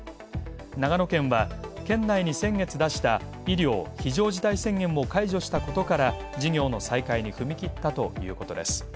長野県は県内に先月出した、医療非常事態宣言を解除したことから事業の再開に踏み切ったということです。